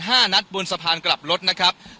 ตอนนี้จะเปลี่ยนอย่างนี้หรอว้าง